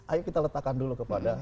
ayo kita letakkan dulu kepada